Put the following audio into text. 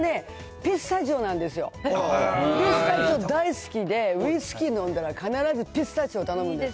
ピスタチオ大好きで、ウイスキー飲んだら必ずピスタチオ頼むんです。